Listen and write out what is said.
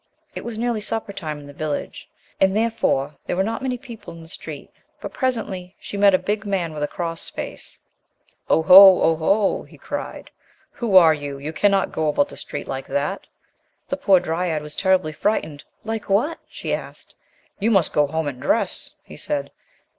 It was nearly supper time in the village and, therefore, there were not many people in the street, but presently she met a big man with a cross face. "Oho! Oho!" he cried, "who IO THE LOST DRYAD are you? You cannot go about the street like that!" The poor dryad was terribly frightened. "Like what?" she asked. "You must go home and dress," he said.